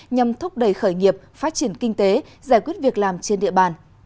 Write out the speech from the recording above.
nhằm thúc đẩy khởi nghiệp phát triển kinh tế giải quyết việc làm trên địa bàn